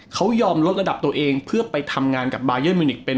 เขายอมลดระดับตัวเองเพื่อไปทำงานกับบายันมิวนิกเป็น